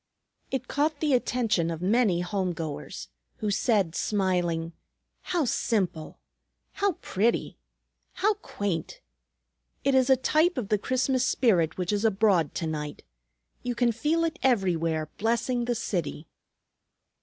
It caught the attention of many home goers, who said, smiling, "How simple! How pretty! How quaint! It is a type of the Christmas spirit which is abroad to night. You can feel it everywhere, blessing the city."